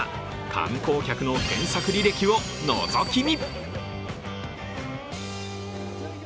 観光客の検索履歴をのぞき見。